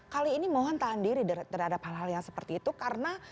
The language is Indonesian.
kali ini mohon tahan diri terhadap hal hal yang seperti itu karena